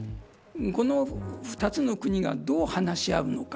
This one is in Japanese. この２つの国がどう話し合うのか。